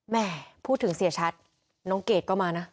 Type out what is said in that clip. แม่พูดถึงเสียชัดน้องเกดก็มานะ